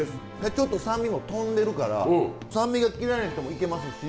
ちょっと酸味も飛んでるから酸味が嫌いな人もいけますし。